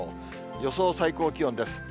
予想最高気温です。